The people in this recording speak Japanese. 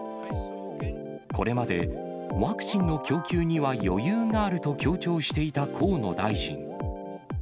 これまで、ワクチンの供給には余裕があると強調していた河野大臣。